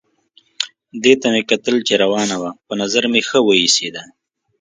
دې ته مې کتل چې روانه وه، په نظر مې ښه وه ایسېده.